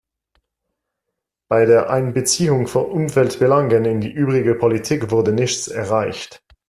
Bei der Einbeziehung von Umweltbelangen in die übrige Politik wurde nichts erreicht.